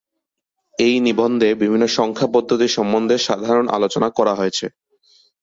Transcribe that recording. এই নিবন্ধে বিভিন্ন সংখ্যা পদ্ধতি সম্বন্ধে সাধারণ আলোচনা করা হয়েছে।